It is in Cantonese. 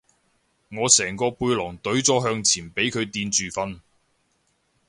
我成個背囊隊咗向前俾佢墊住瞓